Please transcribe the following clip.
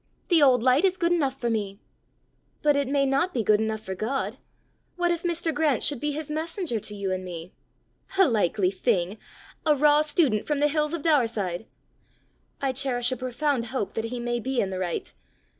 "The old light is good enough for me!" "But it may not be good enough for God! What if Mr. Grant should be his messenger to you and me!" "A likely thing! A raw student from the hills of Daurside!" "I cherish a profound hope that he may be in the right.